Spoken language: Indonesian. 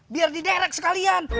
biar diderek sekalian